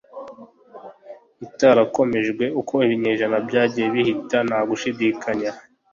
itarakomejwe uko ibinyejana byagiye bihita nta gushidikanya